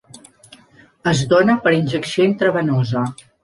Es dóna per injecció intravenosa.